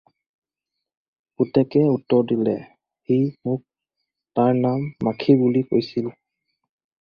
পুতেকে উত্তৰ দিলে, "সি মোক তাৰ নাম মাখি বুলি কৈছিল।"